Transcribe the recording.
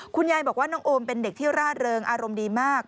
คุณยายบอกว่าน้องโอมเป็นเด็กที่ร่าเริงอารมณ์ดีมาก